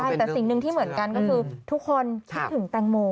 ใช่แต่สิ่งหนึ่งที่เหมือนกันก็คือทุกคนคิดถึงแตงโม